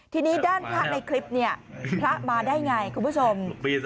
ทีนี้ด้านพระในคลิปเนี่ยพระมาได้ไงคุณผู้ชม